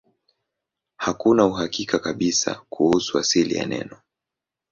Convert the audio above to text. Hakuna uhakika kabisa kuhusu asili ya neno.